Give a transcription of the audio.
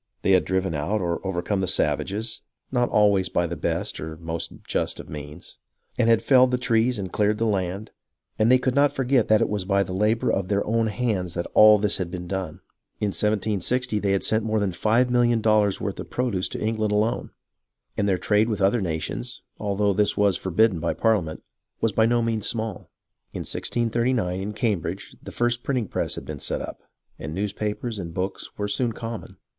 They had driven out or overcome the savages (not always by the best or most just of means), and had felled the trees and cleared the land, and they could not forget that it was by the labour of their own hands that all this had been done. In 1760 they had sent more than five millions of dollars' worth of produce to England alone ; and their trade with other nations, although this was forbidden by Parliament, was by no means small. In 1639, in Cambridge, the first printing press had been set up, and newspapers and books were soon common.